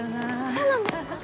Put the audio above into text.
そうなんですか？